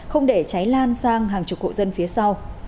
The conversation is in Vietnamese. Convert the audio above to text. không để cháy lan sang hàng chục hộ dân phía sau